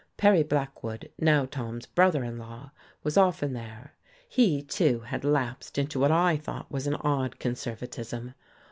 Perry Blackwood, now Tom's brother in law, was often there. He, too, had lapsed into what I thought was an odd conservatism.